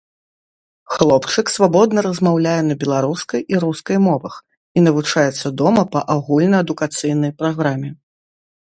Хлопчык свабодна размаўляе на беларускай і рускай мовах і навучаецца дома па агульнаадукацыйнай праграме.